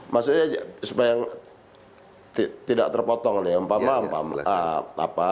maksudnya supaya tidak terpotong nih umpama